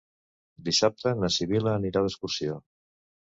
Dissabte na Sibil·la anirà d'excursió.